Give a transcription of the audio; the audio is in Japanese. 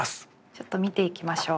ちょっと見ていきましょう。